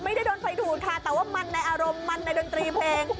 ไม่ได้โดนไฟดูดค่ะแต่ว่ามันในอารมณ์มันในดนตรีเพลง